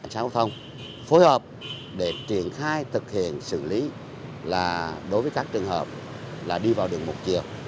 giao thông phối hợp để triển khai thực hiện xử lý là đối với các trường hợp là đi vào đường một chiều